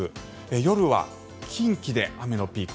夜は近畿で雨のピーク。